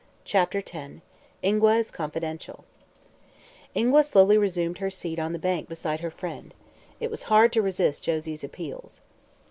CHAPTER X INGUA IS CONFIDENTIAL Ingua slowly resumed her seat on the bank beside her friend. It was hard to resist Josie's appeals.